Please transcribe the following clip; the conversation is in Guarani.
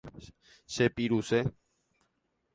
Chepiruse.